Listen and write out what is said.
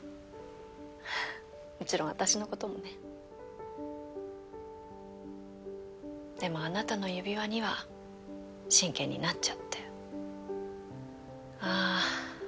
もちろん私のこともねでもあなたの指輪には真剣になっちゃってあぁ